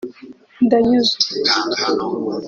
Ndanyuzwe